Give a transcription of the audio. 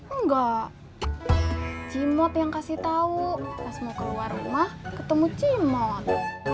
enggak cimot yang kasih tahu pas mau keluar rumah ketemu cimot